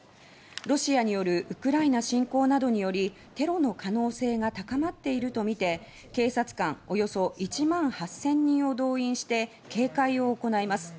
ロシアによるウクライナ侵攻などによりテロの可能性が高まっているとみて警察官およそ１万８０００人を動員して警戒を行います。